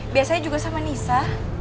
biasanya juga sama nisa